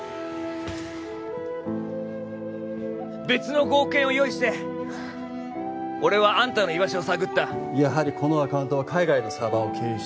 別の５億円を用意して俺はアンタの居場所を探ったやはりこのアカウントは海外のサーバーを経由して